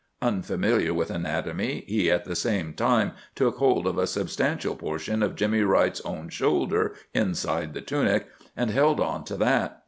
Unfamiliar with anatomy, he at the same time took hold of a substantial portion of Jimmy Wright's own shoulder inside the tunic, and held on to that.